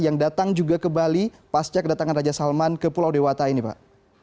yang datang juga ke bali pasca kedatangan raja salman ke pulau dewata ini pak